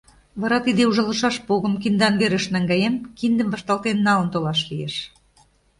Вара тиде ужалышаш погым киндан верыш наҥгаен, киндым вашталтен налын толаш лиеш.